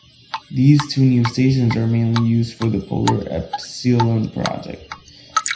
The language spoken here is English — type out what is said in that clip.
These two new stations are mainly used for the Polar Epsilon project.